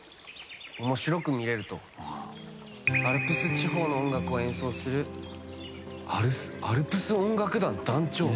アルプス地方の音楽を演奏するアルプス音楽団団長。